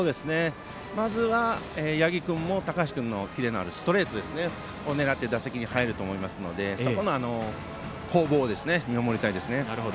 まずは八木君も高橋君のキレのあるストレートを狙って打席に入ると思いますのでそこの攻防を見守りたいですね。